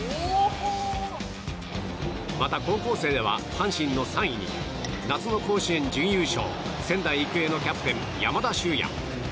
また高校生では、阪神の３位に夏の甲子園準優勝仙台育英のキャプテン山田脩也。